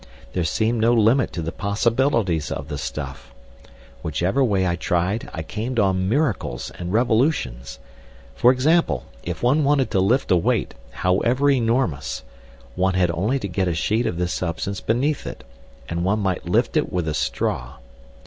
There seemed no limit to the possibilities of the stuff; whichever way I tried I came on miracles and revolutions. For example, if one wanted to lift a weight, however enormous, one had only to get a sheet of this substance beneath it, and one might lift it with a straw.